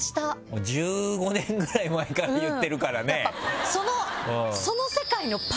１５年ぐらい前から言ってるからね。